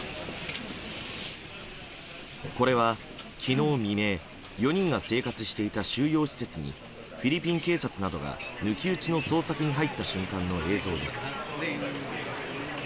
これは、昨日未明４人が生活していた収容施設にフィリピン警察などが抜き打ちの捜索に入った瞬間の映像です。